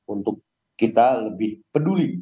untuk kita lebih peduli